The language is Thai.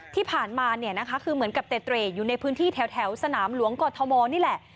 ที่ผ่านมาเนี่ยนะคะคือเหมือนกับเตรอยู่ในพื้นที่แถวสนามหลวงกอทมนี่แหละ